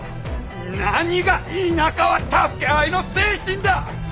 何が田舎は助け合いの精神だ！